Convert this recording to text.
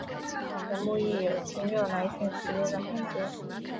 节目亦有听众来信时间的环节。